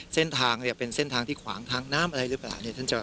เส้นทางเป็นเส้นทางที่ขวางทางน้ำอะไรหรือเปล่า